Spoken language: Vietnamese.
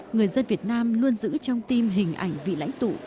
người dân việt nam luôn giữ trong tim hình ảnh vị lãnh tụ